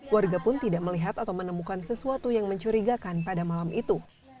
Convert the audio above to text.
warga pun tidak melihat atau menemukan sesuatu yang mencurigakan pada malam itu